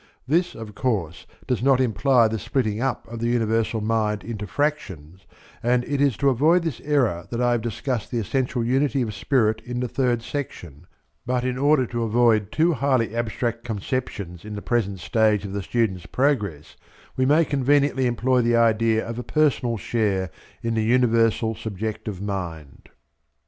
This, of course, does not imply the splitting up of the universal mind into fractions, and it is to avoid this error that I have discussed the essential unity of spirit in the third section, but in order to avoid too highly abstract conceptions in the present stage of the student's progress we may conveniently employ the idea of a personal share in the universal subjective mind.